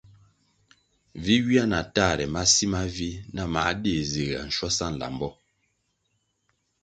Vi ywia na tahre ma si ma vih nah mā dig zirʼga shwasa nlambo.